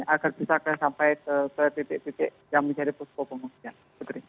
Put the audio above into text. agar bisa sampai ke titik titik yang menjadi posko pengungsian putri